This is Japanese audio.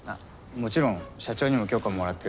もちろん社長にも許可もらってるから大丈夫。